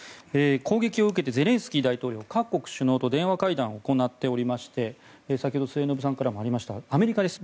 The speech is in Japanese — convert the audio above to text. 攻撃を受けてゼレンスキー大統領各国首脳と電話会談を行っていまして先ほど末延さんからもありましたがアメリカです。